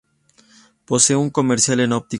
Posee uso comercial en óptica.